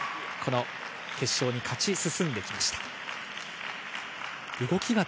決勝に勝ち進んできました。